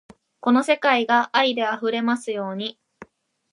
この世界が愛で溢れますように